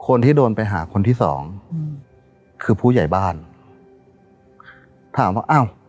คนที่โดนไปหาคนที่สองอืมคือผู้ใหญ่บ้านถามว่าอ้าว